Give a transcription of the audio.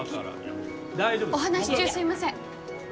お話し中すいません。